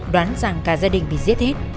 đoán rằng cả gia đình bị giết hết